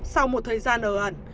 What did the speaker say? sau một thời gian ở ẩn